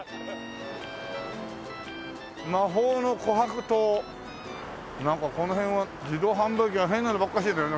「魔法の琥珀糖」なんかこの辺は自動販売機が変なのばっかりだよな。